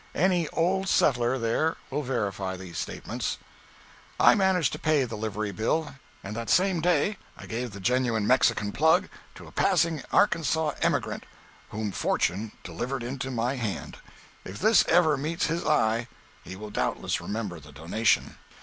Any old settler there will verify these statements. I managed to pay the livery bill, and that same day I gave the Genuine Mexican Plug to a passing Arkansas emigrant whom fortune delivered into my hand. If this ever meets his eye, he will doubtless remember the donation.